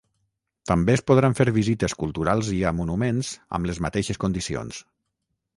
També es podran fer visites culturals i a monuments amb les mateixes condicions.